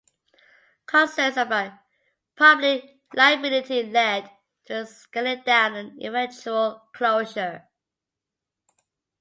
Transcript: Concerns about public liability led to its scaling down and eventual closure.